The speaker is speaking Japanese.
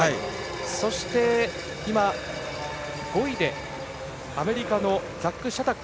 そして、５位でアメリカのザック・シャタック。